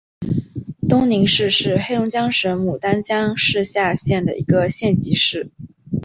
东宁市是黑龙江省牡丹江市下辖的一个县级市。